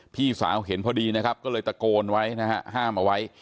พี่สาวเห็นพอดีนะครับก็เลยตะโกนไว้นะฮะห้ามเอาไว้